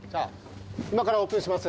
今からオープンします。